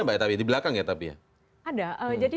mbak di belakang ya tapi ya ada